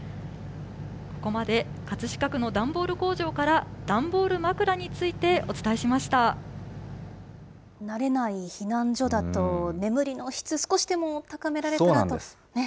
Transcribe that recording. ここまで、葛飾区の段ボール工場から、段ボール枕についてお伝え慣れない避難所だと、眠りの質、少しでも高められたらと。